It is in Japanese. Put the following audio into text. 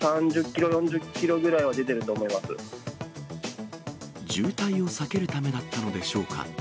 ３０キロ、４０キロぐらいは出て渋滞を避けるためだったのでしょうか。